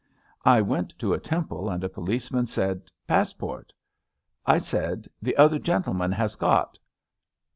I went to a temple, and a policeman said pass port. '* I said, The other gentleman has got.''